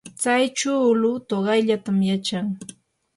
tsay chuulu tuqayllatam yachan.